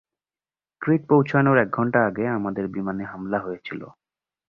ক্রিট পৌঁছানোর এক ঘণ্টা আগে আমাদের বিমানে হামলা হয়েছিল।